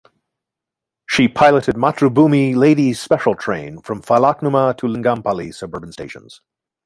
She piloted 'Matrubhumi Ladies Special Train' from Falaknuma to Lingampally suburban stations.